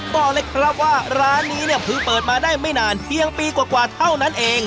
ต้องแบบว่าร้านนี้เนี้ยเปิดมาได้ไม่นานเพียงปีกว่าเท่านั้นเอง